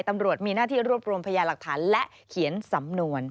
ตำรวจมีหน้าที่รวบรวมพยาหลักฐานและเขียนสำนวน